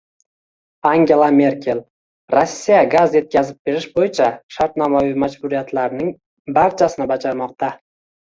Angela Merkel: “Rossiya gaz yetkazib berish bo‘yicha shartnomaviy majburiyatlarining barchasini bajarmoqda”